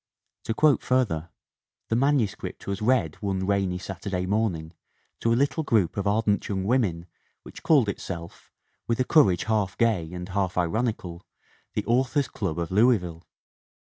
To quote further : "The manuscript was read one rainy Saturday morning to a little group of ardent young women which called itself, with a courage half gay and half ironical, the Authors' Club of Louisville.